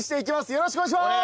よろしくお願いします。